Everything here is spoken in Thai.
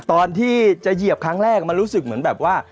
ตอนที่จะเหยียบครั้งแรกมันรู้สึกเหมือนแบบว่า